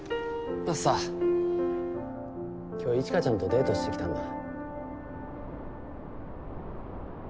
マスター今日一華ちゃんとデートしてきたんだ。